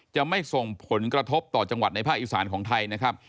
จะไม่ส่งผลกระทบต่อจังหวัดในภาคอีสานของไทยนะครับ